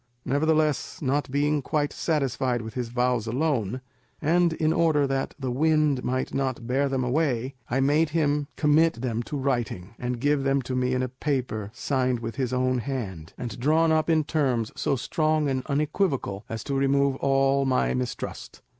Nevertheless, not being quite satisfied with his vows alone, and in order that the wind might not bear them away, I made him commit them to writing, and give them to me in a paper signed with his own hand, and drawn up in terms so strong and unequivocal as to remove all my mistrust.